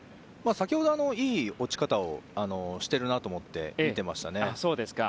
先ほどはいい落ち方をしているなと思って見てましたね。